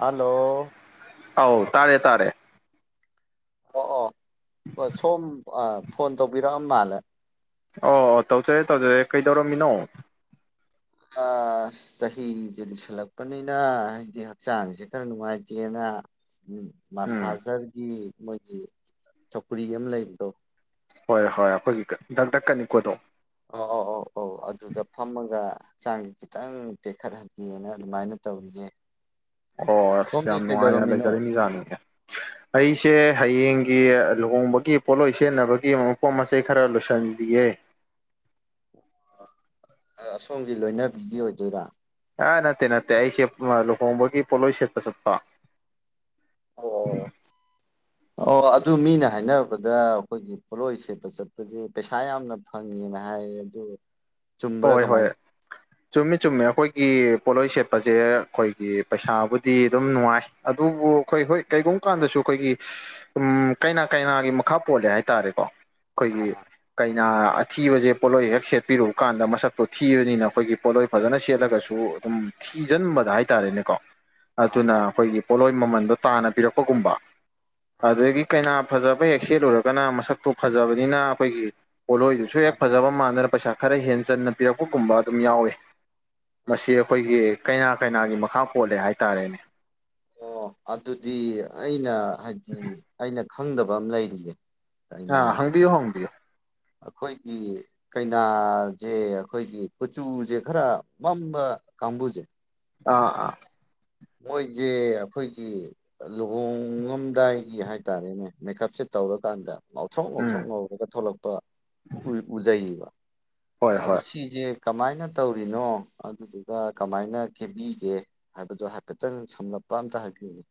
hello ꯑꯥꯎ ꯇꯥꯔꯦ ꯇꯥꯔꯦ ꯑꯥ ꯑꯥ ꯁꯣꯝ ꯑꯥ ꯐꯣꯟ ꯇꯧꯕꯤꯔꯛꯑꯝ ꯃꯥꯜꯂꯦ ꯑꯥ ꯇꯧꯖꯔꯦ ꯇꯧꯖꯔꯦ ꯀꯩꯗꯧꯔꯝꯃꯤꯅꯣ ꯑꯁ ꯆꯍꯤꯁꯦ ꯂꯤꯁꯜꯂꯛꯄꯅꯤꯅ ꯑꯩꯗꯤ ꯍꯛꯆꯥꯡꯁꯦ ꯈꯔ ꯅꯨꯡꯉꯥꯏꯇꯦꯅ ꯑ ꯎꯝ ꯎꯝ ꯃꯁꯥꯖꯔꯒꯤ ꯃꯣꯏꯒꯤ ꯆꯧꯀ꯭ꯔꯤ ꯑꯃ ꯂꯩꯕꯗꯣ ꯍꯣꯏ ꯍꯣꯏ ꯑꯩꯈꯣꯏꯒꯤ ꯗꯛ ꯗꯛ ꯀꯅꯤꯛꯄꯗꯣ ꯑ ꯑꯥ ꯑꯧ ꯑꯧ ꯑꯗꯨꯗ ꯐꯝꯃꯒ ꯍꯛꯆꯥꯡꯁꯦ ꯈꯤꯇꯪ ꯇꯦꯛꯈꯠꯍꯟꯒꯦꯅ ꯑꯗꯨꯃꯥꯏꯅ ꯇꯧꯔꯤꯌꯦ ꯑꯣ ꯑꯁ ꯁꯣꯝꯗꯤ ꯌꯥꯝ ꯅꯨꯡꯉꯥꯏꯅ ꯀꯩꯗꯧꯔꯝꯃꯤꯅꯣ ꯂꯩꯖꯔꯝꯃꯤ ꯖꯥꯠꯅꯤꯅꯦ ꯑ, ꯑꯩꯁꯦ ꯍꯌꯦꯡ ꯒꯤꯂꯨꯍꯣꯡꯕꯒꯤ ꯄꯣꯠꯂꯣꯏ ꯁꯦꯠꯅꯕꯒꯤ ꯃꯄꯣꯠ ꯃꯆꯩ ꯈꯔ ꯂꯣꯏꯁꯤꯜꯗ꯭ꯔꯤꯌꯦ ꯑꯁꯣꯝꯒꯤ ꯂꯣꯏꯅꯕꯤꯒꯤ ꯑꯣꯏꯗꯣꯏꯔꯥ ꯑ ꯅꯠꯇꯦ ꯅꯠꯇꯦ ꯑꯩꯁꯦ ꯂꯨꯍꯣꯡꯕꯒꯤ ꯄꯣꯂꯣ ꯁꯦꯠꯄ ꯆꯠꯄ [inaudible] ꯑꯣ ꯑꯣ ꯑꯣ ꯑꯗꯨ ꯃꯤꯅ ꯍꯥꯏꯔꯕꯗ ꯑꯩꯈꯣꯏꯒꯤ ꯄꯣꯠꯂꯣꯏ ꯁꯦꯠꯄ ꯆꯠꯄꯁ ꯄꯩꯁꯥ ꯌꯥꯝꯅ ꯐꯪꯉꯦꯅ ꯍꯥꯏ ꯍꯥꯏ ꯑꯗꯨ ꯆꯨꯝꯕ꯭ꯔꯥ ꯍꯣꯏ ꯀꯃꯥꯏꯅ ꯍꯣꯏ ꯆꯨꯝꯃꯤ ꯆꯨꯝꯃꯦ ꯑꯩꯈꯣꯏꯒꯤ ꯄꯣꯠꯂꯣꯏ ꯁꯦꯠꯄꯁꯦ ꯑꯩꯈꯣꯏꯒꯤ ꯄꯩꯁꯥꯕꯨꯗꯤ ꯑꯗꯨꯝ ꯅꯨꯡꯉꯥꯏ ꯑꯗꯨꯕꯨ ꯑꯩꯈꯣꯏ ꯍꯣꯏ ꯀꯩꯒꯨꯝꯕ ꯀꯥꯟꯗꯁꯨ ꯑꯩꯈꯣꯏꯒꯤ ꯎꯝ ꯀꯩꯅꯥ ꯀꯩꯅꯥꯒꯤ ꯃꯈꯥ ꯄꯣꯜꯂꯦ ꯍꯥꯏꯇꯥꯔꯦꯀꯣ ꯑꯩꯈꯣꯏꯒꯤ ꯑꯥ ꯀꯩꯅ ꯑꯊꯤꯕꯁꯦ ꯄꯣꯠꯂꯣꯏ ꯍꯦꯛ ꯁꯦꯠꯄꯤꯔꯛꯎ ꯀꯀꯥꯟꯗ ꯃꯁꯛꯇꯨ ꯊꯤꯕꯅꯤꯅ ꯑꯩꯈꯣꯏꯒꯤ ꯄꯣꯠꯂꯣꯏ ꯐꯖꯅ ꯁꯦꯠꯂꯒꯁꯨ ꯑꯗꯨꯝ ꯊꯤꯖꯤꯟꯕꯗ ꯍꯥꯏꯇꯥꯥꯔꯦꯅꯦꯀꯣ ꯑꯥ ꯑꯗꯨꯅ ꯑꯥ ꯑꯩꯈꯣꯏꯒꯤ ꯄꯣꯠꯂꯣꯏ ꯃꯃꯟꯗꯣ ꯇꯥꯟꯅ ꯄꯤꯔꯛꯄꯒꯨꯝꯕ ꯑꯗꯒꯤ ꯀꯩꯅꯥ ꯐꯖꯕ ꯍꯦꯛ ꯁꯦꯠꯂꯨꯔꯒꯅ ꯃꯁꯛꯇꯨ ꯐꯖꯕꯅꯤꯅ ꯑꯩꯈꯣꯏꯒꯤ ꯄꯣꯠꯂꯣꯏꯗꯨꯁꯨ ꯑꯥ ꯍꯦꯛ ꯃꯥꯅꯦ ꯐꯖꯕ ꯃꯥꯟꯗꯅ ꯄꯩꯁꯥ ꯈꯔ ꯍꯦ ꯆꯟꯅ ꯄꯤꯔꯛꯄꯒꯨꯝꯕ ꯑꯗꯨꯝ ꯌꯥꯎꯏꯤ ꯑꯥ ꯃꯁꯤ ꯑꯩꯈꯣꯏꯒꯤ ꯀꯩꯅꯥ ꯀꯩꯅꯥꯒꯤ ꯃꯈꯥ ꯄꯣꯜꯂꯦ ꯍꯥꯏꯇꯥꯔꯦꯅꯦ ꯑꯣ ꯑꯗꯨꯗꯤ ꯑꯩꯅ ꯍꯥꯏꯗꯤ ꯑꯩꯅ ꯈꯪꯗꯕ ꯑꯃ ꯂꯩꯔꯤꯌꯦ ꯑ ꯀꯩꯅꯥꯒꯤꯁꯦ ꯍꯪꯕꯤꯌꯣ ꯍꯪꯕꯤꯌꯣ ꯑꯩꯈꯣꯏꯒꯤ ꯀꯩꯅꯥꯁꯦ ꯑꯩꯈꯣꯏꯒꯤ ꯀꯆꯨꯁꯦ ꯈꯔ ꯃꯝꯕ ꯀꯥꯡꯕꯨꯖꯦ ꯑꯥ ꯑꯥ ꯃꯣꯏꯁꯦ ꯑꯩꯈꯣꯏꯒꯤ ꯂꯨꯍꯣꯡꯉꯝꯗꯥꯏꯒꯤ ꯍꯥꯏꯇꯥꯔꯦꯅꯦ ꯃꯦꯀꯞꯁꯦ ꯇꯧꯔꯀꯥꯟꯗ ꯉꯥꯎꯊꯣꯛ ꯎꯝ ꯉꯥꯎꯊ꯭ꯔꯣꯛ ꯉꯧꯔꯒ ꯊꯣꯛꯂꯛꯄ ꯎꯖꯩꯌꯦꯕ ꯍꯣꯏ ꯑꯗ ꯍꯣꯏ ꯁꯤꯁꯦ ꯀꯃꯥꯏꯅ ꯇꯧꯔꯤꯅꯣ ꯑꯗꯨꯗꯨꯒ ꯀꯃꯥꯏꯅ ꯈꯦꯕꯤꯒꯦ ꯍꯥꯏꯕꯗꯣ ꯍꯥꯏꯐꯦ ꯍꯥꯢꯐꯦꯠꯇꯪ ꯁꯝꯂꯞꯄ ꯑꯝꯇ ꯍꯥꯏꯕꯤꯌꯨꯅꯦ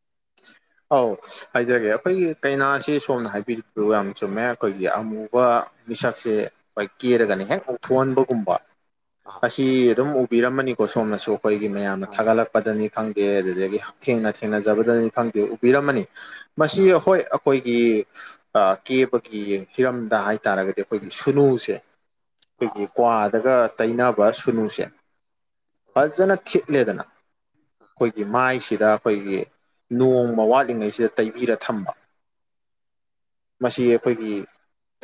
ꯑꯧ ꯍꯥꯏꯖꯒꯦ ꯑꯩꯈꯣꯏꯒꯤ ꯀꯩꯅꯥꯁꯤ ꯁꯣꯝꯅ ꯍꯥꯏꯕꯤꯗꯣ ꯌꯥꯝ ꯆꯨꯝꯃꯦ ꯑꯩꯈꯣꯏꯒꯤ ꯑꯃꯨꯕ ꯃꯤꯁꯛꯁꯦ ꯑꯩꯈꯣꯏ ꯀꯦꯔꯒꯅꯤ ꯍꯦꯛ ꯎꯊꯣꯛꯍꯟꯕꯒꯨꯝꯕ ꯑꯥ ꯑꯁꯤ ꯑꯗꯨꯝ ꯎꯕꯤꯔꯝꯃꯅꯤꯀꯣ ꯁꯣꯝꯅꯁꯨ ꯑꯩꯈꯣꯏꯒꯤ ꯃꯌꯥꯝꯅ ꯑꯥ ꯊꯥꯒꯠꯂꯛꯄꯗꯅꯤ ꯈꯪꯗꯦ ꯑꯗꯨꯗꯒꯤ ꯍꯛꯊꯦꯡꯅ ꯊꯦꯡꯅꯖꯕꯗꯅꯤ ꯈꯪꯗꯦ ꯎꯕꯤꯔꯝꯃꯅꯤ ꯃꯁꯤ ꯑꯥ ꯍꯈꯣꯏ ꯑꯩꯈꯣꯏ ꯀꯦꯕꯒꯤ ꯍꯤꯔꯝꯗ ꯍꯥꯏꯇꯥꯔꯒꯗꯤ ꯑꯩꯈꯣꯏꯒꯤ ꯁꯨꯅꯨꯁꯦ ꯑꯥ ꯑꯩꯈꯣꯏꯒꯤ ꯑꯥ ꯀ꯭ꯋꯥꯗꯒ ꯇꯩꯅꯕ ꯁꯨꯅꯨꯁꯦ ꯐꯖꯅ ꯊꯤ ꯊꯤꯠꯂꯦꯗꯅ ꯑꯩꯈꯣꯏꯒꯤ ꯃꯥꯏꯁꯤꯗ ꯑꯩꯈꯣꯏꯒꯤ ꯅꯣꯡ ꯋꯥꯠꯂꯤꯉꯩꯁꯤꯗ ꯇꯩꯕꯤꯔ ꯊꯝꯕ ꯃꯁꯤ ꯑꯩꯈꯣꯏꯒꯤ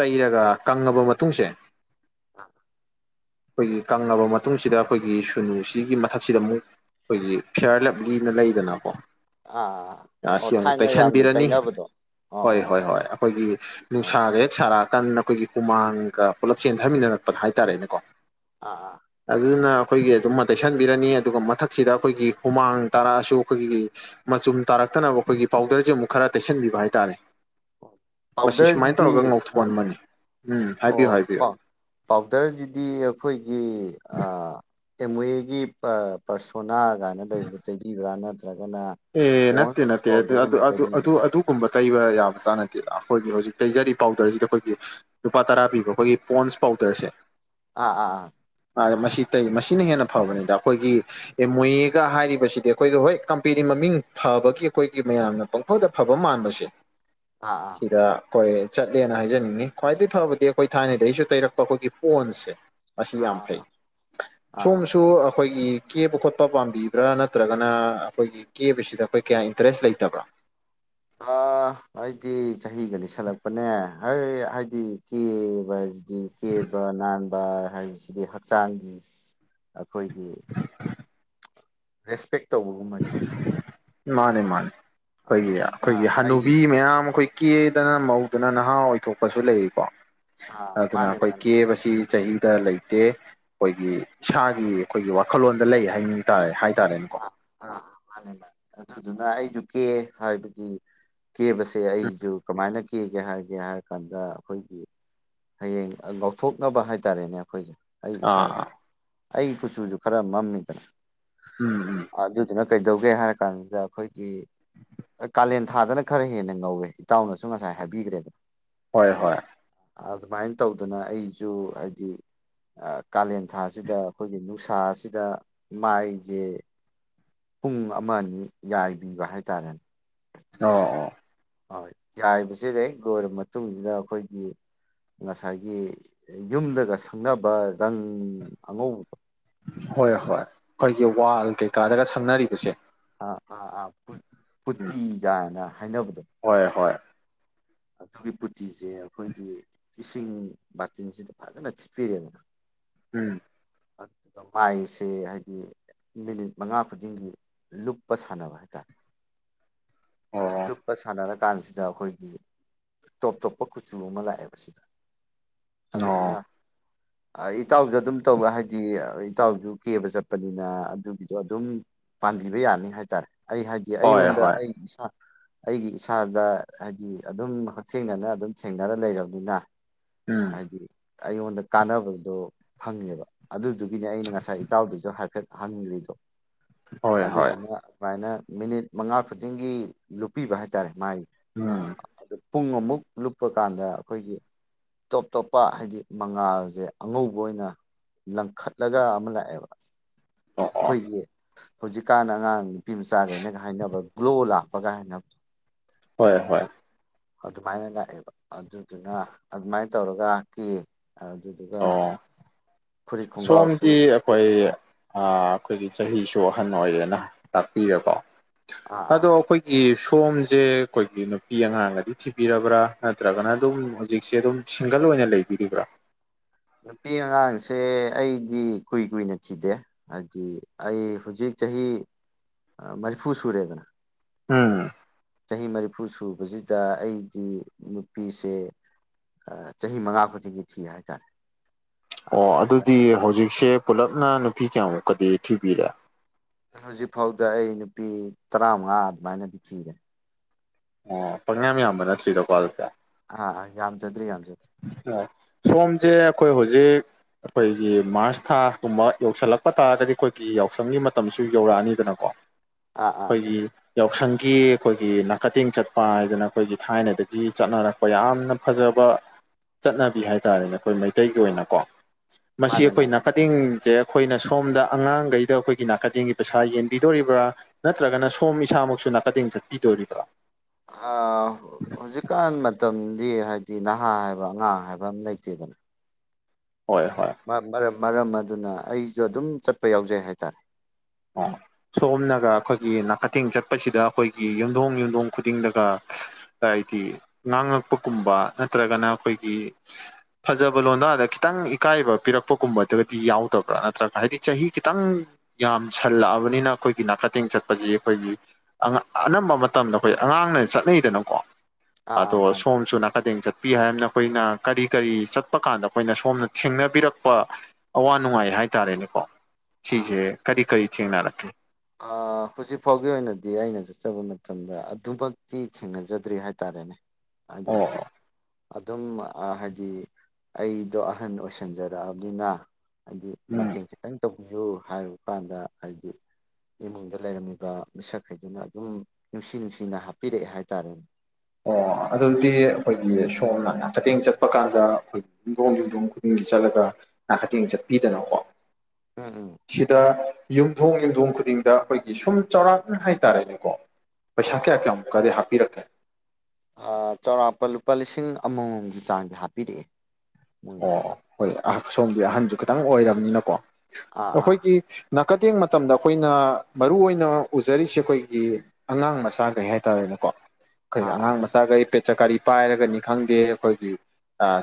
ꯇꯩꯔꯒ ꯀꯪꯉꯕ ꯃꯇꯨꯡꯁꯦ ꯑꯥ ꯑꯩꯈꯣꯏꯒꯤ ꯀꯪꯉꯕ ꯃꯇꯨꯡꯁꯤꯗ ꯑꯩꯈꯣꯏꯒꯤ ꯁꯨꯅꯨꯁꯤꯒꯤ ꯃꯊꯛꯁꯤꯗ ꯑꯃꯨꯛ ꯑꯩꯈꯣꯏꯒꯤ ꯐꯤꯌꯥꯔ ꯂꯝꯖꯤꯅ ꯂꯩꯗꯅꯀꯣ ꯑꯥ ꯌꯥꯁꯤ ꯑꯣ ꯑꯃꯨꯛ ꯊꯥꯏꯅ ꯌꯥꯝꯅ ꯇꯩꯁꯟꯕꯤꯔꯅꯤ ꯇꯩꯅꯕꯗꯣ ꯑꯥ ꯍꯣꯏ ꯑꯥ ꯍꯣꯏ ꯍꯣꯏ ꯑꯩꯈꯣꯏꯒꯤ ꯑꯥ ꯅꯨꯡꯁꯥꯒ ꯍꯦꯛ ꯁꯥꯔꯥꯛ ꯀꯟ ꯑꯩꯈꯣꯏꯒꯤ ꯍꯨꯃꯥꯡꯒ ꯄꯨꯂꯞ ꯆꯦꯟꯊꯃꯤꯟꯅꯔꯛꯄꯗ ꯍꯥꯏꯇꯥꯔꯦꯅꯦꯀꯣ ꯑꯥ ꯑꯥ ꯑꯗꯨꯅ ꯑꯩꯈꯣꯏꯒꯤ ꯑꯗꯨꯝꯃ ꯇꯩꯁꯟꯕꯤꯔꯅꯤ ꯑꯗꯨꯒ ꯃꯊꯛꯁꯤꯗ ꯑꯩꯈꯣꯏꯒꯤ ꯍꯨꯃꯥꯡ ꯇꯥꯔꯛꯑꯁꯨ ꯑꯩꯈꯣꯏꯒꯤ ꯃꯆꯨꯝ ꯇꯥꯔꯛꯇꯅꯕ ꯑꯩꯈꯣꯏꯒꯤ ꯄꯥꯎꯗꯔꯁꯦ ꯑꯃꯨꯛ ꯈꯔ ꯇꯩꯁꯟꯕꯤꯕ ꯍꯥꯏꯇꯥꯔꯦ ꯃꯁꯤ ꯁꯨꯃꯥꯏꯅ ꯄꯥꯎꯗꯔꯁꯤꯗꯤ ꯇꯧꯔꯒ ꯑꯥ ꯉꯧꯊꯣꯛꯍꯕꯅꯤ ꯎꯝ ꯍꯥꯏꯕꯤꯌꯨ ꯑꯣ ꯍꯥꯏꯕꯤꯌꯨ ꯄꯥꯎ ꯄꯥꯎꯗꯔꯁꯤꯗꯤ ꯑꯩꯈꯣꯏꯒꯤ ꯑꯥ ꯑꯦꯝꯋꯦ ꯄꯥꯔꯁꯣꯅꯥ ꯀꯥꯏꯅ ꯂꯩꯕꯗꯨꯣ ꯇꯩꯕꯤꯕ꯭ꯔꯥꯅ ꯑꯦ ꯅꯠꯇꯦ ꯅꯠꯇꯦ ꯑꯗꯨ ꯇꯩꯕꯤꯕ꯭ꯔꯥ ꯑꯗꯨ ꯑꯗꯨ ꯀꯨꯝꯕ ꯇꯩꯕ ꯌꯥꯕ ꯆꯥꯅꯗꯦꯗ ꯑꯩꯈꯣꯏꯒꯤ ꯍꯧꯖꯤꯛ ꯇꯩꯖꯔꯤꯕ ꯄꯥꯎꯗꯔꯁꯤꯗ ꯑꯩꯈꯣꯏꯒꯤ ꯂꯨꯄꯥ ꯇꯔꯥ ꯄꯤꯕ ꯑꯩꯈꯣꯏꯒꯤ ꯄꯣꯟꯁ ꯄꯥꯎ ꯄꯥꯎꯗ꯭ꯔꯁꯦ ꯑꯥ ꯑꯥ ꯑꯥ ꯑ ꯃꯁꯤ ꯇꯩ ꯃꯁꯤꯅ ꯍꯦꯟꯅ ꯐꯕꯅꯤꯗ ꯑꯩꯈꯣꯏꯒꯤ ꯑꯦꯝ ꯋꯦꯒ ꯍꯥꯏꯔꯤꯕꯁꯤꯗꯤ ꯑꯩꯈꯣꯏꯒ ꯍꯣꯏ ꯄꯤꯔꯤ ꯃꯃꯤꯡ ꯐꯕꯒꯤ ꯑꯩꯈꯣꯏꯒꯤ ꯃꯌꯥꯝꯅ ꯄꯪꯈꯣꯏꯗ ꯐꯕ ꯃꯥꯟꯕꯁꯦ ꯑꯥ ꯑꯥ ꯑꯥ ꯁꯤꯗ ꯀꯣꯌꯦꯠ ꯆꯠꯂꯦꯅ ꯍꯥꯏꯖꯅꯤꯡꯉꯤ ꯈ꯭ꯋꯥꯏꯗꯗꯒꯤ ꯐꯕꯗꯤ ꯑꯩꯈꯣꯏ ꯊꯥꯏꯅꯗꯒꯤꯁꯨ ꯇꯩꯔꯛꯄ ꯑꯩꯈꯣꯏꯒꯤ ꯄꯣꯟꯁꯁꯦ ꯑꯁꯤ ꯌꯥꯝ ꯑꯥ ꯐꯩ ꯑꯥ ꯑꯥ ꯁꯣꯝꯁꯨ ꯑꯩꯈꯣꯏꯒꯤ ꯀꯦꯕ ꯈꯣꯠꯄ ꯄꯥꯝꯕꯤꯕ꯭ꯔꯥ ꯅꯠꯇ꯭ꯔꯒꯅ ꯑꯩꯈꯣꯏꯒꯤ ꯀꯦꯕꯁꯤꯗ ꯑꯩꯈꯣꯏ ꯀꯌꯥ ꯏꯟꯇꯔꯦꯁ ꯂꯩꯇꯕ꯭ꯔꯥ ꯑꯥ ꯑꯩꯗꯤ ꯆꯍꯤꯒ ꯂꯩꯁꯜꯂꯛꯄꯅꯦ ꯑꯩ ꯍꯥꯏꯗꯤ ꯀꯦꯕ ꯍꯥꯏꯗꯤ ꯀꯦꯕ ꯅꯥꯟꯕ ꯍꯥꯏꯕꯁꯤꯗꯤ ꯍꯛꯆꯥꯡꯒꯤ ꯑꯩꯈꯣꯏꯒꯤ ꯔꯦꯁꯄꯦꯛ ꯇꯧꯕꯒꯨꯝꯕꯅꯤꯗꯅ ꯃꯥꯅꯦ ꯃꯥꯅꯦ ꯑꯩꯈꯣꯏꯒꯤ ꯑꯗꯨꯗꯨꯅ ꯑꯩꯈꯣꯏꯒꯤ ꯑꯩꯒꯤ ꯍꯅꯨꯕꯤ ꯃꯌꯥꯝ ꯑꯩꯈꯣꯏ ꯀꯦꯗꯅ ꯃꯧꯗꯨꯅ ꯅꯍꯥ ꯑꯣꯏꯊꯣꯛꯄꯁꯨ ꯂꯩꯔꯤꯀꯣ ꯑꯥ ꯑꯗꯨꯅ ꯃꯥꯅꯦ ꯑꯩꯈꯣꯏ ꯃꯥꯅꯦ ꯀꯦꯕꯁꯤ ꯆꯍꯤꯗ ꯂꯩꯇꯦ ꯑꯩꯈꯣꯏꯒꯤ ꯏꯁꯥꯒꯤ ꯑꯩꯈꯣꯏꯒꯤ ꯋꯥꯈꯜꯂꯣꯟꯗ ꯂꯩ ꯍꯥꯏꯅꯤꯡ ꯇꯥꯔꯦ ꯍꯥꯏ ꯑꯥ ꯑꯥ ꯑꯥ ꯃꯥꯅꯦ ꯃꯥꯅꯤ ꯑꯗꯨꯗꯨꯅ ꯑꯩꯁꯨ ꯀꯦ ꯍꯥꯏꯕꯗꯤ ꯀꯦꯕꯁꯦ ꯎꯝ ꯑꯩꯁꯨ ꯀꯃꯥꯏꯅ ꯀꯦꯒꯦ ꯍꯥꯏꯒꯦ ꯍꯥꯏꯔ ꯀꯥꯟꯗ ꯑꯩꯈꯣꯏꯒꯤ ꯍꯌꯦꯡ ꯉꯥꯎꯊꯣꯛꯅꯕ ꯍꯥꯏꯇꯥꯔꯦꯅꯦ ꯑꯩꯈꯣꯏꯁꯦ ꯑꯩ ꯑꯥ ꯏꯁꯥꯁꯦ ꯑꯥ ꯑꯩ ꯀꯨꯆꯨꯁꯨ ꯈꯔ ꯃꯝꯃꯤꯗꯅ ꯎꯝ ꯎꯝ ꯑꯗꯨꯗꯨꯅ ꯀꯩꯗꯧꯒꯦ ꯍꯥꯏꯔ ꯀꯥꯟꯗ ꯑꯩꯈꯣꯏꯒꯤ ꯀꯥꯂꯦꯟ ꯊꯥꯗꯅ ꯈꯔ ꯍꯦꯟꯅ ꯉꯧꯋꯦ ꯏꯇꯥꯎꯅꯁꯨ ꯉꯁꯥꯏ ꯍꯥꯏꯕꯤꯈ꯭ꯔꯦꯗꯅ ꯍꯣꯏ ꯍꯣꯏ ꯑꯗꯨꯃꯥꯏꯅ ꯇꯧꯗꯅ ꯑꯩꯁꯨ ꯍꯥꯏꯗꯤ ꯀꯥꯂꯦꯟ ꯊꯥꯁꯤꯗ ꯑꯩꯈꯣꯏꯒꯤ ꯅꯨꯡꯁꯥꯁꯤꯗ ꯃꯥꯏ ꯁꯦ ꯄꯨꯡ ꯑꯃ ꯑꯅꯤ ꯌꯥꯏꯕꯤꯕ ꯍꯥꯏꯇꯥꯔꯦꯅꯦ ꯑꯣ ꯑꯣ ꯍꯣꯏ ꯆꯥꯏꯕꯁꯤꯗꯩ ꯂꯣꯏꯔꯕ ꯃꯇꯨꯡꯁꯤꯗ ꯑꯩꯈꯣꯏꯒꯤ ꯉꯁꯥꯏꯒꯤ ꯌꯨꯝꯗꯒ ꯁꯪꯅꯕ ꯔꯪ ꯑꯉꯧꯕ ꯍꯣꯏ ꯍꯣꯏ ꯑꯩꯈꯣꯏꯒꯤ ꯋꯥꯜ ꯀꯩꯀꯥꯗꯒ ꯁꯝꯅꯔꯤꯕꯁꯦ ꯑ ꯑꯥ ꯑꯥ ꯄꯨ ꯄꯨꯠꯇꯤꯒꯥꯏꯅ ꯍꯣꯏ ꯍꯣꯏ ꯑꯗꯨꯒꯤ ꯄꯨꯇꯤꯁꯦ ꯑꯩꯈꯣꯏꯒꯤ ꯏꯁꯤꯡ ꯕꯥꯇꯤꯟꯁꯤꯗ ꯐꯖꯅ ꯊꯤꯠꯄꯤꯔꯦꯅ ꯎꯝ ꯑꯗꯨꯒ ꯃꯥꯏꯁꯦ ꯍꯥꯏꯗꯤ ꯃꯤꯅꯤꯠ ꯃꯉꯥ ꯈꯨꯗꯤꯡꯒꯤ ꯂꯨꯞꯄ ꯁꯥꯟꯅꯕ ꯍꯥꯏꯇꯥꯔꯦ ꯑꯣ ꯂꯨꯞꯇ ꯁꯥꯟꯅꯔꯀꯥꯟꯁꯤꯗ ꯑꯩꯈꯣꯏꯒꯤ ꯇꯣꯞ ꯇꯣꯞꯄ ꯀꯨꯆꯨꯂꯨ ꯑꯃ ꯂꯥꯛꯑꯦꯕ ꯁꯤꯗ ꯑꯣ ꯑꯗꯨꯅ ꯏꯇꯥꯎꯁꯨ ꯑꯗꯨꯝ ꯇꯧ ꯍꯥꯏꯗꯤ ꯏꯇꯥꯎꯁꯨ ꯀꯦꯕ ꯆꯠꯄꯅꯤꯅ ꯑꯗꯨꯒꯤꯗꯣ ꯑꯗꯨꯝ ꯄꯥꯟꯝꯕꯤꯕ ꯌꯥꯅꯤ ꯍꯥꯏꯇꯥꯔꯦ ꯑꯩ ꯍꯥꯏꯗꯤ ꯍꯣꯏ ꯑꯩꯉꯣꯟꯗ ꯍꯣꯏ ꯑꯩ ꯏꯁꯥ ꯑꯩꯒꯤ ꯏꯁꯥꯗ ꯍꯥꯏꯗꯤ ꯑꯗꯨꯝ ꯍꯛꯊꯦꯡꯅꯅ ꯑꯗꯨꯝ ꯊꯦꯡꯅꯔ ꯂꯩꯔꯕꯅꯤꯅ ꯎꯝ ꯍꯥꯏꯗꯤ ꯑꯩꯉꯣꯟꯗ ꯀꯥꯟꯅꯕꯗꯣ ꯐꯪꯉꯦꯕ ꯑꯗꯨꯒꯤ ꯒꯤꯅꯦ ꯑꯩꯅ ꯉꯁꯥꯏ ꯏꯇꯥꯎꯗꯨꯁꯨ ꯍꯥꯏꯐꯦꯠ ꯍꯟꯈ꯭ꯔꯤꯗꯣ ꯍꯣꯏ ꯍꯣꯏ ꯑꯗꯨꯗꯨꯅ ꯑꯗꯨꯃꯥꯏꯅ ꯃꯤꯅꯤꯠ ꯃꯉꯥ ꯈꯨꯗꯤꯡꯒꯤ ꯂꯨꯞꯄꯤꯕ ꯍꯥꯏꯇꯥꯔꯦ ꯃꯥꯥꯏ ꯎꯝ ꯄꯨꯡ ꯑꯃꯨꯛ ꯂꯨꯞꯄ ꯀꯥꯟꯗ ꯑꯩꯈꯣꯏꯒꯤ ꯇꯣꯞ ꯇꯣꯞꯄ ꯍꯥꯏꯗꯤ ꯃꯉꯥꯜꯁꯦ ꯑꯉꯧꯕ ꯑꯣꯏꯅ ꯂꯪꯈꯠꯂꯒ ꯑꯃ ꯂꯥꯛꯑꯦꯕ ꯑꯣ ꯑꯣ ꯑꯩꯈꯣꯏꯒꯤ ꯍꯧꯖꯤꯛꯀꯥꯟ ꯑꯉꯥꯡ ꯅꯨꯄꯤ ꯃꯆꯥꯈꯩꯅꯒ ꯍꯥꯏꯅꯕ ꯒ꯭ꯂꯣ ꯂꯥꯛ ꯄꯒ ꯍꯥꯏꯅꯕꯗꯣ ꯍꯣꯏ ꯍꯣꯏ ꯑꯗꯨꯃꯥꯏꯅ ꯂꯥꯛꯑꯦꯕ ꯑꯗꯨꯗꯨꯅ ꯑꯗꯨꯃꯥꯏꯅ ꯇꯧꯔꯒ ꯀꯦ ꯑꯗꯨꯗꯨꯒ ꯑꯣ ꯐꯨꯔꯤꯠ ꯈꯣꯡꯒ꯭ꯔꯥꯎꯁꯨ ꯁꯣꯝꯗꯤ ꯑꯩꯈꯣꯏ ꯑꯥ ꯑꯩꯈꯣꯏꯒꯤ ꯆꯍꯤꯁꯨ ꯑꯍꯟ ꯑꯣꯏꯔꯦꯅ ꯇꯥꯛꯄꯤꯔꯀꯣ ꯑꯥ ꯑꯗꯣ ꯑꯩꯈꯣꯏꯒꯤ ꯐꯣꯝꯁꯦ ꯑꯩꯈꯣꯏꯒꯤ ꯅꯨꯄꯤ ꯑꯉꯥꯡꯒꯗꯤ ꯊꯤꯕꯤꯔꯕ꯭ꯔꯥ ꯅꯠꯇ꯭ꯔꯒꯅ ꯑꯗꯨꯝ ꯍꯧꯖꯤꯛꯁꯦ ꯑꯗꯨꯝ ꯁꯤꯡꯒꯜ ꯑꯣꯏ ꯂꯩꯕꯤꯔꯤꯕ꯭ꯔꯥ ꯅꯨꯄꯤ ꯑꯉꯥꯡꯁꯦ ꯑꯩꯗꯤ ꯀꯨꯏ ꯀꯨꯏꯅ ꯊꯤꯗꯦ ꯍꯥꯏꯗꯤ ꯑꯩ ꯍꯧꯖꯤꯛ ꯆꯍꯤ ꯃꯔꯤꯐꯨ ꯁꯨꯔꯦꯗꯅ ꯎꯝ ꯆꯍꯤ ꯃꯔꯤꯐꯨ ꯁꯨꯕꯁꯤꯗ ꯑꯩꯗꯤ ꯅꯨꯄꯤꯁꯦ ꯑꯥ ꯆꯍꯤ ꯃꯉꯥ ꯐ ꯑꯣ ꯑꯗꯨꯗꯨꯅ ꯑꯗꯨꯗꯤ ꯍꯧꯖꯤꯛꯁꯦ ꯄꯨꯂꯞꯅ ꯐꯤ ꯀꯌꯥꯃꯨꯛꯀꯗꯤ ꯊꯤꯕꯤꯔꯦ ꯍꯧꯖꯤꯛ ꯐꯥꯎꯗ ꯑꯩ ꯅꯨꯄꯤ ꯇꯔꯥꯃꯉꯥ ꯑꯗꯨꯃꯥꯏꯅꯗꯤ ꯊꯤꯔꯦ ꯑꯣ ꯄꯪꯌꯥꯝ ꯌꯥꯝꯕ ꯅꯠꯇ꯭ꯔꯤꯗ ꯑꯗꯨꯗꯤꯀꯣ ꯑꯥ ꯑꯥ ꯌꯥꯝꯖꯗ꯭ꯔꯤ ꯌꯥꯝ ꯑ ꯁꯣꯝꯁꯦ ꯑꯩꯈꯣꯏ ꯍꯧꯖꯤꯛ ꯑꯩꯈꯣꯏꯒꯤ ꯃꯥꯔꯁ ꯊꯥꯒꯨꯝꯕ ꯌꯧꯁꯤꯜꯂꯛꯄ ꯇꯥꯔꯒꯗꯤ ꯑꯩꯈꯣꯏꯒꯤ ꯌꯥꯎꯁꯪꯒꯤ ꯃꯇꯝꯁꯨ ꯌꯧꯔꯛꯑꯅꯤꯗꯅꯀꯣ ꯑꯥ ꯑꯥ ꯍꯣꯏꯒꯤ ꯌꯥꯎꯁꯪꯒꯤ ꯑꯩꯈꯣꯏꯒꯤ ꯅꯥꯀꯊꯦꯡ ꯆꯠꯄ ꯍꯥꯏꯗꯅ ꯑꯩꯈꯣꯏꯒꯤ ꯊꯥꯏꯅꯗꯒꯤ ꯆꯠꯅꯔꯛꯄ ꯌꯥꯝꯅ ꯐꯖꯕ ꯕꯥ ꯆꯠꯅꯕꯤ ꯍꯥꯏꯇꯥꯔꯦꯅꯦ ꯑꯩꯈꯣꯏ ꯃꯩꯇꯩꯒꯤ ꯑꯥ ꯑꯣꯏꯅꯀꯣ ꯃꯁꯤ ꯃꯥꯅꯦ ꯑꯩꯈꯣꯏ ꯃꯥꯅꯦ ꯅꯥꯀꯊꯦꯡꯖꯦ ꯑꯩꯈꯣꯏꯅ ꯁꯣꯝꯗ ꯑꯉꯥꯡꯒꯩꯗ ꯑꯩꯈꯣꯏꯒꯤ ꯅꯥꯀꯗꯦꯡ ꯒꯤ ꯄꯩꯁꯥ ꯌꯦꯟꯕꯤꯗꯧꯔꯤꯕ꯭ꯔꯥ ꯅꯠꯇ꯭ꯔꯒꯅ ꯁꯣꯝ ꯏꯁꯥꯃꯛꯁꯨ ꯅꯥꯀꯗꯦꯡ ꯆꯠꯄꯤ ꯗꯧꯔꯤꯕꯔꯥ ꯑꯥ ꯍꯧꯖꯤꯛꯀꯥꯟ ꯃꯇꯝ ꯗꯤ ꯍꯥꯏꯗꯤ ꯅꯍꯥ ꯍꯥꯏꯕ ꯑꯉꯥꯡ ꯍꯥꯏꯕ ꯑꯝ ꯂꯩꯇꯦꯗꯅ ꯍꯣꯏ ꯍꯣꯏ ꯃꯔꯝ ꯃꯔꯝ ꯑꯗꯨꯅ ꯑꯩꯖꯨ ꯑꯗꯨꯝ ꯆꯠꯄ ꯌꯥꯎꯖꯩ ꯍꯥꯏꯇꯥꯔꯦ ꯑꯥ ꯁꯣꯝꯅꯒ ꯑꯩꯈꯣꯏꯒꯤ ꯅꯥꯀꯊꯦꯡ ꯆꯠꯄꯁꯤꯗ ꯑꯩꯈꯣꯏꯒꯤ ꯌꯨꯝꯊꯣꯡ ꯌꯨꯝꯊꯣꯡ ꯈꯨꯗꯤꯡꯗꯒ ꯉꯥꯡꯉꯛꯄꯒꯨꯝꯕ ꯅꯠꯇ꯭ꯔꯒꯅ ꯑꯩꯈꯣꯏꯒꯤ ꯐꯖꯕ ꯂꯣꯟꯗ ꯈꯤꯇꯪ ꯏꯀꯥꯏ ꯏꯀꯥꯏꯕ ꯄꯤꯔꯛꯄꯒꯨꯝꯕꯗꯒꯗꯤ ꯌꯥꯎꯗꯕ꯭ꯔꯥ ꯅꯠꯇ꯭ꯔꯒ ꯍꯥꯏꯗꯤ ꯆꯍꯤ ꯈꯤꯇꯪ ꯌꯥꯝ ꯁꯜꯂꯛꯑꯕꯅꯤꯅ ꯑꯩꯈꯣꯏꯒꯤ ꯅꯥꯀ ꯇꯦꯡ ꯆꯠꯄꯁꯤ ꯑꯩꯈꯣꯏꯒꯤ ꯑꯅꯝꯕ ꯃꯇꯝꯗ ꯑꯩꯈꯣꯏ ꯑꯉꯥꯡꯅ ꯆꯠꯅ ꯗ ꯅꯀꯣ ꯑꯥ ꯑꯥ ꯑꯗꯣ ꯃꯥꯅꯤ ꯁꯣꯝꯁꯨ ꯅꯥꯀꯗ ꯆꯠ ꯄꯤ ꯍꯥꯏꯕꯅ ꯑꯩꯈꯣꯏꯅ ꯀꯔꯤ ꯀꯔꯤ ꯆꯠꯄ ꯀꯥꯟꯗ ꯑꯩꯈꯣꯏꯅ ꯁꯣꯝꯅ ꯊꯦꯡꯅꯕꯤꯔꯛꯄ ꯑꯋꯥ ꯅꯨꯡꯉꯥꯏ ꯍꯥꯏ ꯍꯥꯏꯇꯥꯔꯦꯅꯦꯀꯣ ꯁꯤꯖꯦ ꯑꯥ ꯀꯔꯤ ꯀꯔꯤ ꯊꯦꯡꯅꯔꯛꯀꯦ ꯍꯧꯖꯤꯛ ꯐꯥꯎꯒꯤ ꯑꯣꯏꯅꯗꯤ ꯑꯩꯅ ꯆꯠꯆꯕ ꯃꯇꯝꯗ ꯑꯗꯨꯃꯛꯇꯤ ꯊꯦꯡꯅꯖꯗ꯭ꯔꯤ ꯍꯥꯏꯇꯥꯔꯦꯅꯦ ꯍꯥꯏꯗꯤ ꯑꯣ ꯑꯣ ꯑꯗꯨꯝ ꯍꯥꯏꯗꯤ ꯑꯩꯗꯣ ꯑꯍꯟ ꯑꯣꯏꯁꯟꯖꯔꯛꯑꯕꯅꯤꯅ ꯍꯥꯏꯗꯤ ꯎꯝ ꯃꯇꯦꯡ ꯈꯤꯇꯪ ꯇꯧꯕꯤꯌꯨ ꯍꯥꯏꯔꯕ ꯀꯥꯟꯗ ꯍꯥꯏꯗꯤ ꯏꯃꯨꯡꯗ ꯂꯩꯔꯝꯃꯤꯕ ꯃꯤꯁꯛꯈꯩꯗꯨꯅ ꯑꯗꯨꯝ ꯅꯨꯡꯁꯤ ꯅꯨꯡꯁꯤꯅ ꯍꯥꯞꯄꯤꯔꯛꯑꯦ ꯍꯥꯏꯇꯥꯔꯦꯅꯦ ꯑꯣ ꯑꯗꯨꯗꯤ ꯑꯩꯈꯣꯏꯒꯤ ꯁꯣꯝꯅ ꯅꯀꯗꯦꯡ ꯆꯠꯄ ꯀꯥꯟꯗ ꯑꯩꯈꯣꯏ ꯌꯨꯝꯗꯣꯡ ꯌꯨꯝꯊꯣꯡ ꯈꯨꯗꯤꯡ ꯆꯠꯂꯒ ꯅꯈꯇꯦꯡ ꯆꯠꯄꯤꯗꯅꯀꯣ ꯎꯝ ꯎꯝ ꯁꯤꯗ ꯌꯨꯝꯊꯣꯡ ꯌꯨꯝꯊꯣꯡ ꯈꯨꯗꯤꯡꯗ ꯑꯩꯈꯣꯏꯒꯤ ꯁꯨꯝ ꯆꯥꯎꯔꯥꯛꯅ ꯍꯥꯏꯇꯥꯔꯦꯅꯦꯀꯣ ꯑꯥ ꯄꯩꯁꯥꯀꯌꯥ ꯑꯥ ꯀꯌꯥꯃꯨꯀꯥꯗ ꯍꯥꯞꯄꯤ ꯔꯛꯀꯦ ꯆꯥꯎꯔꯥꯛꯄ ꯂꯨꯄꯥ ꯂꯤꯁꯤꯡ ꯑꯃꯃꯝꯒꯤ ꯆꯥꯡ ꯍꯥꯞꯄꯤꯔꯛꯑꯦ ꯃꯣꯏ ꯑꯣ ꯍꯣꯏ ꯁꯣꯝꯗꯤ ꯑꯍꯟꯁꯨ ꯈꯤꯇꯪ ꯑꯣꯏꯔꯕꯅꯤꯅꯀꯣ ꯑꯥ ꯑꯥ ꯑꯩꯈꯣꯏꯒꯤ ꯀꯇꯦꯡ ꯃꯇꯝꯗ ꯑꯩꯈꯣꯏꯅ ꯃꯔꯨ ꯑꯣꯏꯅ ꯎꯖꯔꯤꯁꯦ ꯑꯩꯈꯣꯏꯒꯤ ꯑꯉꯥꯡ ꯃꯆꯥꯒꯩ ꯍꯥꯏꯇꯥꯔꯦꯅꯦꯀꯣ ꯑꯩꯈꯣꯏꯅ ꯑꯥ ꯑꯥ ꯑꯉꯥꯡ ꯃꯆꯥꯒꯩ ꯄꯦꯆꯀꯥꯔꯤ ꯄꯥꯏꯔꯒꯅꯤ ꯈꯪꯗꯦ ꯑꯩꯈꯣꯏꯒꯤ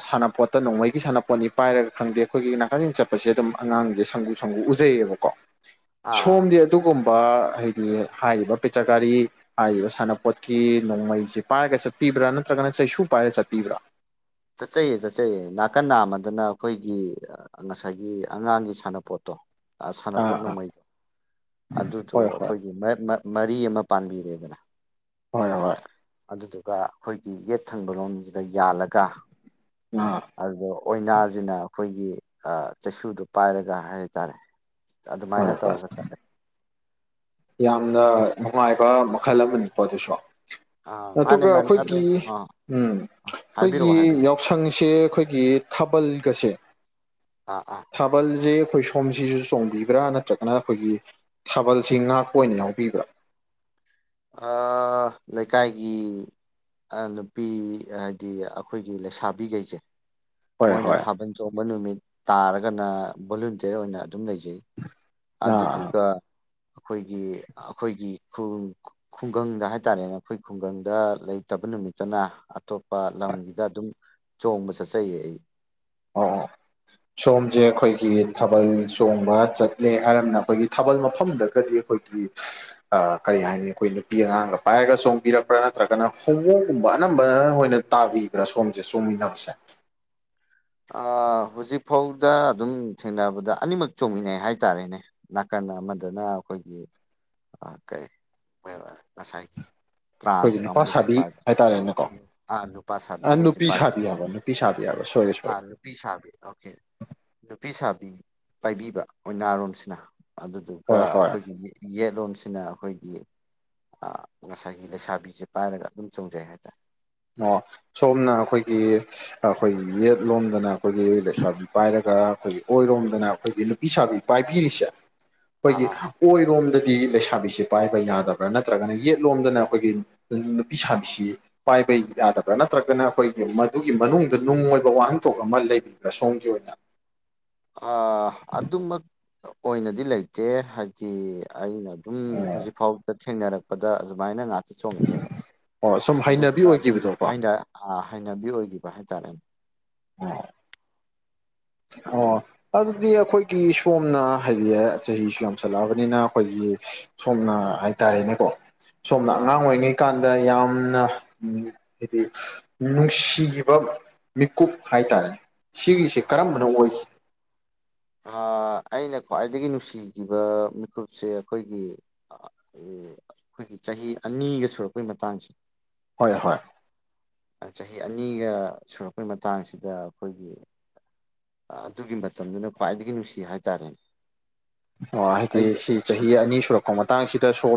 ꯁꯥꯟꯅꯄꯣꯠ ꯅꯣꯡꯃꯩꯒꯤ ꯁꯥꯟꯅꯄꯣꯠꯅꯤ ꯄꯥꯏꯔꯒ ꯈꯪꯗꯦ ꯑꯩꯈꯣꯏꯒꯤ ꯅꯀꯊꯦꯡ ꯆꯠꯄꯁꯦ ꯑꯗꯨꯝ ꯑꯉꯥꯡꯁꯦ ꯁꯪꯒꯨ ꯁꯪꯒꯨ ꯎꯖꯩꯌꯦꯕꯀꯣ ꯑꯥ ꯑꯥ ꯁꯣꯝꯗꯤ ꯑꯗꯨꯒꯨꯝ ꯍꯥꯏꯗꯤ ꯍꯥꯏꯔꯤꯕ ꯄꯦꯆꯀꯔꯤ ꯍꯥꯏꯔꯤꯕ ꯁꯅꯄꯣꯠꯀꯤ ꯅꯣꯡꯃꯩꯁꯤ ꯄꯥꯏꯔꯒ ꯆꯠꯄꯤ ꯕ꯭ꯔꯥ ꯅꯠꯇ꯭ꯔꯒꯅ ꯁꯩꯁꯨ ꯄꯥꯏꯔꯦ ꯆꯠꯄꯤꯕ꯭ꯔꯥ ꯆꯠꯆꯩꯌꯦ ꯆꯠꯆꯩꯌꯦ ꯅꯥꯀꯟ ꯅꯥꯝꯃꯗꯅ ꯑꯩꯈꯣꯏꯒꯤ ꯉꯁꯥꯏꯒꯤ ꯑꯉꯥꯡꯒꯤ ꯁꯥꯟꯅꯄꯣꯠꯇꯣ ꯑꯥ ꯁꯥꯟꯅꯄꯣꯠ ꯑꯥ ꯅꯣꯡꯃꯩ ꯑꯗꯨꯗꯣ ꯍꯣꯏ ꯍꯣꯏ ꯑꯩꯈꯣꯏꯒꯤ ꯃꯔ ꯃꯔꯤ ꯑꯃ ꯄꯥꯟꯕꯤꯔꯦꯗꯅ ꯍꯣꯏ ꯍꯣꯏ ꯑꯗꯨꯒ ꯑꯩꯈꯣꯏꯒꯤ ꯌꯦꯠ ꯊꯪꯕ ꯂꯣꯝꯁꯤꯗ ꯌꯥꯜꯂꯒ ꯑꯥ ꯑꯗꯨ ꯑꯣꯏꯅꯥꯒꯤꯅ ꯑꯩꯈꯣꯏꯒꯤ ꯆꯩꯁꯨꯗꯣ ꯄꯥꯏꯔꯒ ꯍꯥꯏꯇꯥꯔꯦ ꯍꯣꯏ ꯑꯗꯨꯃꯥꯏꯅ ꯍꯣꯏ ꯇꯧꯔꯒ ꯆꯠꯂꯦ ꯌꯥꯝꯅ ꯅꯨꯡꯉꯥꯏꯕ ꯃꯈꯜ ꯑꯃꯅꯤꯀꯣ ꯑꯗꯨꯁꯨ ꯑꯥ ꯃꯥꯅꯦ ꯑꯗꯨꯒ ꯃꯥꯅꯦ ꯑꯗꯣ ꯑꯈꯣꯏꯒꯤ ꯑꯥ ꯎꯝ ꯍꯥꯏꯕꯤꯔꯛꯑꯣ ꯈꯣꯏꯒꯤ ꯍꯥꯏꯕꯤꯔꯛꯑꯣ ꯌꯥꯎꯁꯪꯁꯦ ꯈꯣꯏꯒꯤ ꯊꯥꯕꯜꯒꯁꯦ ꯑꯥ ꯊꯥꯕꯜꯖꯦ ꯈꯣꯏ ꯁꯣꯝꯁꯤꯁꯨ ꯆꯣꯡꯕꯤꯕ꯭ꯔ ꯅꯠꯇ꯭ꯔꯒꯅ ꯈꯣꯏꯒꯤ ꯊꯥꯕꯜꯁꯤ ꯉꯥꯛ ꯑꯣꯏꯅ ꯌꯎꯕꯤꯕ꯭ꯔꯥ ꯑꯥ ꯂꯩꯀꯥꯏꯒꯤ ꯅꯨꯄꯤ ꯍꯥꯏꯗꯤ ꯑꯩꯈꯣꯏꯒꯤ ꯂꯩꯁꯕꯤꯒꯩꯖꯦ ꯍꯣꯏ ꯃꯣꯏꯅ ꯍꯣꯏ ꯊꯥꯕꯜ ꯆꯣꯡꯕ ꯅꯨꯃꯤꯠ ꯇꯥꯔꯒꯅ ꯚꯣꯂꯨꯟꯇꯤꯌꯔ ꯑꯣꯏꯅ ꯑꯗꯨꯝ ꯂꯩꯖꯩ ꯑꯥ ꯑꯗꯨꯗꯨꯒ ꯈꯣꯏꯒꯤ ꯈꯣꯏꯒꯤ ꯈꯨꯡꯒꯪꯗ ꯍꯥꯏꯇꯥꯔꯦꯅꯦ ꯑꯩꯈꯣꯏ ꯈꯨꯡꯒꯪꯗ ꯂꯩꯇꯕ ꯅꯨꯃꯤꯠꯇꯅ ꯑꯇꯣꯞꯄ ꯂꯝꯒꯤꯗ ꯑꯗꯨꯝ ꯆꯣꯡꯕ ꯆꯠꯆꯩꯌꯦ ꯑꯩ ꯑꯣ ꯁꯣꯝꯁꯦ ꯑꯩꯈꯣꯏꯒꯤ ꯊꯥꯕꯜ ꯆꯣꯡꯕ ꯆꯠꯂꯦ ꯍꯥꯏꯔꯝꯃꯤꯅ ꯑꯩꯈꯣꯏꯒꯤ ꯊꯥꯕꯜ ꯃꯐꯝꯗꯒꯗꯤ ꯑꯩꯈꯣꯏꯒꯤ ꯑ ꯀꯔꯤ ꯍꯥꯏꯅꯤ ꯑꯩꯈꯣꯏ ꯅꯨꯄꯤ ꯑꯉꯥꯡꯒ ꯄꯥꯏꯔꯒ ꯆꯣꯡꯕꯤꯔꯛꯄ꯭ꯔꯥ ꯅꯠꯇ꯭ꯔꯒꯅ ꯍꯣꯃꯣ ꯨꯕ ꯑꯅꯝꯕ ꯑꯣꯏꯅ ꯇꯥꯕꯤꯕ꯭ꯔꯥ ꯁꯣꯝꯁꯦ ꯆꯣꯡꯃꯤꯟꯅꯕꯁꯦ ꯑ ꯍꯧꯖꯤꯛꯐꯥꯎꯗ ꯑꯗꯨꯝ ꯊꯦꯡꯅꯕꯗ ꯑꯅꯤꯃꯛ ꯆꯣꯡꯃꯤꯟꯅꯩ ꯍꯥꯏꯇꯥꯔꯦꯅꯦ ꯅꯥꯀꯟ ꯅ ꯑꯃꯗꯅ ꯑꯩꯈꯣꯏꯒꯤ ꯀꯩ ꯉꯁꯥꯏꯒꯤ ꯑꯩꯈꯣꯏꯒꯤ ꯇ꯭ꯔꯥꯟꯁ ꯅꯨꯄꯥ ꯀꯥꯡꯕꯨꯁꯦ ꯁꯥꯕꯤ ꯄꯥꯏꯕ ꯍꯥꯏꯇꯥꯔꯦꯅꯦꯀꯣ ꯅꯨꯨꯄꯥ ꯁꯥꯕꯤꯈꯩꯁꯦ ꯅꯨꯄꯤ ꯄꯥꯏꯕ ꯁꯥꯕꯤ ꯍꯥꯏꯕ ꯅꯨꯄꯤ ꯁꯥꯕꯤ ꯍꯥꯏꯕ ꯁꯣꯏꯔꯦ ꯁꯣꯏꯔꯦ ꯑꯥ ꯅꯨꯄꯤ ꯁꯕꯤ ꯑꯣꯀꯦ ꯅꯨꯨꯄꯤ ꯁꯥꯕꯤ ꯄꯥꯏꯕꯤꯕ ꯑꯣꯏꯅꯔꯣꯝꯁꯤꯅ ꯑꯗꯨꯗꯨꯒ ꯍꯣꯏ ꯍꯣꯏ ꯑꯩꯈꯣꯏꯒꯤ ꯌꯦꯠꯂꯣꯝꯁꯤ ꯅ ꯑꯩꯈꯣꯏꯒꯤ ꯉꯁꯥꯏꯒꯤ ꯂꯩꯁꯥꯕꯤꯁꯦ ꯄꯥꯏꯔꯒ ꯑꯗꯨꯝ ꯆꯣꯡꯖꯩ ꯍꯥꯏꯇꯥꯔꯦ ꯑꯣ ꯁꯣꯝꯅ ꯑꯩꯈꯣꯏꯒꯤ ꯑꯩꯈꯣꯏꯒꯤ ꯌꯦꯠ ꯂꯣꯝꯗꯅ ꯑꯩꯈꯣꯏꯒꯤ ꯂꯩꯁꯥꯕꯤ ꯄꯥꯏꯔꯒ ꯈꯣꯏ ꯑꯣꯏꯔꯣꯝꯗꯅ ꯑꯩꯈꯣꯏꯒꯤ ꯅꯨꯄꯤ ꯁꯥꯕꯤ ꯄꯥꯏꯕꯤꯔꯤꯁꯦ ꯑꯩꯈꯣꯏꯒꯤ ꯑꯥ ꯑꯣꯏꯔꯣꯝꯗ ꯗꯤ ꯂꯩꯁꯥꯕꯤꯁꯤ ꯄꯥꯏꯕ ꯌꯥꯗꯕ꯭ꯔꯥ ꯅꯠꯇ꯭ꯔꯒꯅ ꯌꯦꯠꯂꯣꯝꯗꯅ ꯑꯩꯈꯣꯏꯒꯤ ꯅꯨꯄꯤ ꯁꯥꯕꯤꯁꯤ ꯄꯥꯏꯕ ꯌꯥꯗꯕ꯭ꯔꯥ ꯅꯠꯇ꯭ꯔꯒꯅ ꯑꯩꯈꯣꯏꯒꯤ ꯃꯗꯨꯒꯤ ꯃꯅꯨꯡꯗ ꯅꯨꯡ ꯑꯣꯏꯕ ꯋꯥꯍꯟꯊꯣꯛ ꯑꯃ ꯂꯩꯕꯤꯕ꯭ꯔꯥ ꯁꯣꯝꯒꯤ ꯑꯣꯏꯅ [inaudible] ꯑꯗꯨꯃꯛ ꯑꯣꯏꯅꯗꯤ ꯂꯩꯇꯦ ꯍꯥꯏꯗꯤ ꯑꯩꯅ ꯑꯗꯨꯝ ꯍꯧꯖꯤꯛꯐꯥꯎꯗ ꯊꯦꯡꯅꯔꯛꯄꯗ ꯑꯗꯨꯃꯥꯏꯅ ꯉꯥꯛ ꯆꯣꯉꯛꯑꯦꯕ ꯑꯣ ꯁꯨꯝ ꯍꯩꯅꯕꯤ ꯑꯗꯨꯗꯨꯅ ꯑꯗꯨꯝ ꯑꯣꯏꯈꯤꯕꯗꯣꯀꯣ ꯍꯥꯏꯅ ꯍꯩꯅꯕꯤ ꯑꯣꯏꯈꯤꯕ ꯍꯥꯏꯇꯥꯔꯦꯅꯦ [inaudible] ꯑꯣ ꯑꯗꯨꯗꯤ ꯑꯩꯈꯣꯏꯒꯤ ꯁꯣꯝꯅ ꯍꯥꯏꯗꯤ ꯆꯍꯤꯁꯨ ꯌꯥꯝꯁꯜꯂꯛꯑꯕꯅꯤꯅ ꯑꯩꯈꯣꯏꯒꯤ ꯁꯣꯝꯅ ꯍꯥꯏꯇꯔꯦꯅꯦꯀꯣ ꯁꯣꯝꯅ ꯑꯉꯥꯡ ꯑꯥ ꯑꯣꯏꯔꯤꯉꯩ ꯀꯥꯟꯗ ꯗ ꯌꯥꯝꯅ ꯍꯥꯏꯗꯤ ꯅꯨꯡꯁꯤꯕ ꯃꯤꯀꯨꯞ ꯍꯥꯏꯇꯔꯦ ꯁꯤꯒꯤꯁꯦ ꯀꯔꯝꯕꯅ ꯑꯣꯏꯈꯤ ꯑ ꯑꯩꯅ ꯈ꯭ꯋꯥꯏꯗꯒꯤ ꯅꯨꯡꯁꯤꯈꯤꯕ ꯃꯤꯀꯨꯞꯁꯦ ꯑꯩꯈꯣꯏꯒꯤ ꯑꯦ ꯑꯩꯈꯣꯏꯒꯤ ꯆꯍꯤ ꯑꯅꯤꯒ ꯁꯨꯔꯛꯄꯒꯤ ꯃꯇꯥꯡꯁꯦ ꯍꯣꯏ ꯍꯣꯏ ꯆꯍꯤ ꯑꯅꯤꯒ ꯁꯨꯔꯛꯄꯩ ꯃꯇꯥꯡꯁꯤꯗ ꯑꯩꯈꯣꯏꯒꯤ ꯑꯗꯨꯒꯤ ꯃꯇꯝꯗꯨꯅ ꯈ꯭ꯋꯥꯏꯗꯒꯤ ꯅꯨꯡꯁꯤ ꯍꯥꯏꯇꯔꯦꯅꯦ ꯑꯣ ꯍꯏꯗꯤ ꯁꯤ ꯆꯍꯤ ꯑꯅꯤ ꯁꯨꯔꯛꯄ ꯃꯇꯡꯁꯤꯗ ꯁꯣꯝ